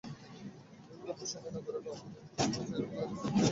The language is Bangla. ভূমিকম্পের সময় নগরের আফমি প্লাজার চারতলার একটি দোকানে পণ্য দেখছিলেন শামসুল আলম।